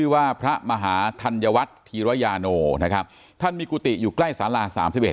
ว่าพระมหาธัญวัฏธิรยาโนนะครับท่านมีกุฏิอยู่ใกล้ศาลา๓๑